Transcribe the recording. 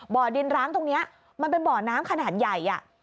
บ่อดินร้างตรงนี้มันเป็นบ่อน้ำขนาดใหญ่